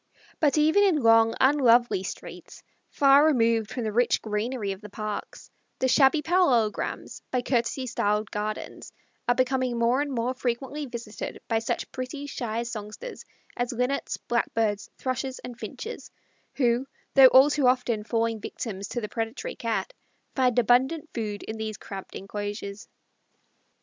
But even in long, unlovely streets, far removed from the rich greenery of the parks, the shabby parallelograms, by courtesy styled gardens, are becoming more and more frequently visited by such pretty shy songsters as Linnets, Blackbirds, Thrushes, and Finches, who, though all too often falling victims to the predatory Cat, find abundant food in these cramped enclosures.